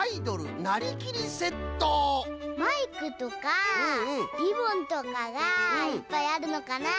マイクとかリボンとかがいっぱいあるのかな？